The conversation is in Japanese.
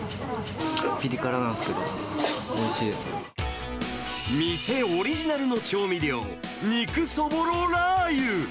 ピリ辛なんですけど、おいしいで店オリジナルの調味料、肉そぼろラー油。